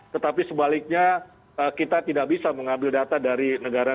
tetapi sebaliknya kita tidak bisa mengambil data dari negara